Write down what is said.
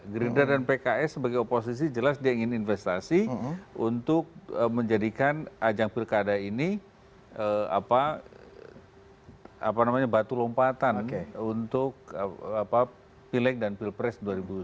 gerindra dan pks sebagai oposisi jelas dia ingin investasi untuk menjadikan ajang pilkada ini batu lompatan untuk pileg dan pilpres dua ribu sembilan belas